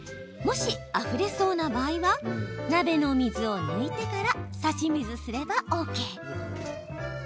もし、あふれそうな場合は鍋の水を抜いてから差し水すればＯＫ。